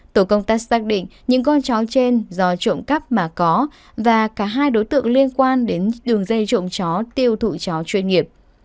tổ công tác xác định những con chó trên do trộm cắp mà có và cả hai đối tượng liên quan đến đường dây trộm chó tiêu thụ chó chuyên nghiệp